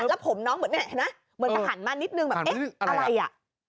แล้วผมน้องเหมือนเนี่ยเห็นไหมเหมือนจะหันมานิดนึงแบบเอ๊ะอะไรอ่ะ